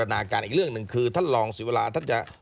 ยังยืนยัน